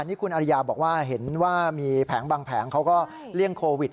นี่คุณอริยาบอกว่าเห็นว่ามีแผงบางแผงเขาก็เลี่ยงโควิด